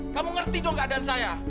kamu ngerti dong keadaan saya